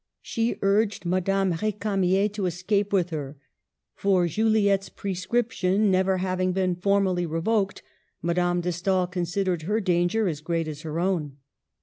She urged Madame Rdcamier to escape with her, for, Juli ette's prescription never having been formally revoked, Madame de Stael considered her danger as great as her own.